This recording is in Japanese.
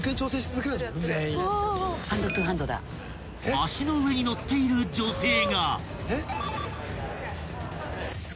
［足の上に乗っている女性が］